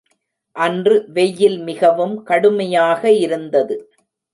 அன்று வெய்யில் மிகவும் கடுமையாக இருந்தது.